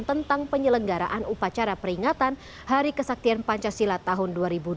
tentang penyelenggaraan upacara peringatan hari kesaktian pancasila tahun dua ribu dua puluh